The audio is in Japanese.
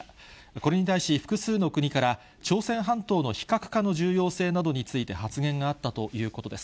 これに対し、複数の国から、朝鮮半島の非核化の重要性について発言があったということです。